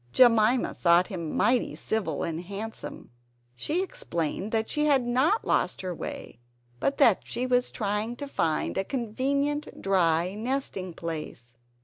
Jemima thought him mighty civil and handsome. She explained that she had not lost her way, but that she was trying to find a convenient dry nesting place.